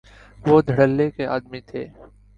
وہ دھڑلے کے آدمی تھے۔